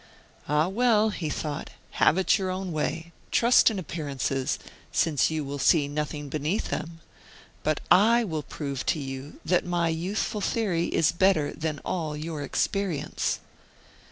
"Ah, well!" he thought; "have it your own way trust in appearances, since you will see nothing beneath them! But I will prove to you that my youthful theory is better than all your experience."